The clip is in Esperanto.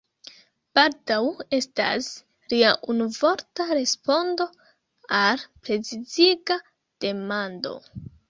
“Baldaŭ” estas lia unuvorta respondo al preciziga demando.